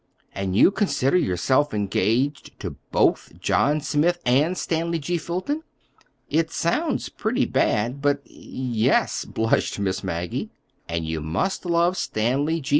"And you consider yourself engaged to both John Smith and Stanley G. Fulton?" "It sounds pretty bad, but—yes," blushed Miss Maggie. "And you must love Stanley G.